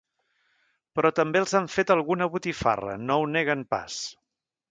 Però també els han fet alguna botifarra, no ho neguen pas.